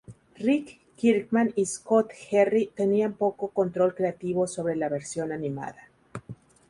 Rick Kirkman y Scott Jerry tenían poco control creativo sobre la versión animada.